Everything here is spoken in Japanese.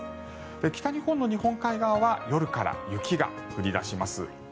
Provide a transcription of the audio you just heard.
北日本の日本海側は夜から雪が降り出します。